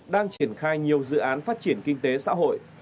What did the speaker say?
đang triển khai nhiều dự án phát triển kinh tế xã hội